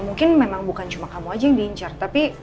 mungkin memang bukan cuma kamu aja yang diincar tapi